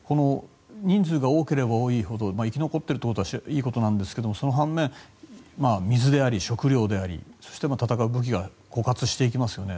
人数が多ければ多いほど生き残っていることはいいことなんですがその半面、水であり食料でありそして戦う武器が枯渇していきますよね。